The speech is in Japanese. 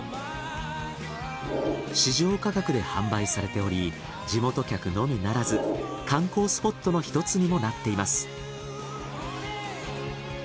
市場価格で販売されており地元客のみならず観光スポットの一つにもなっています。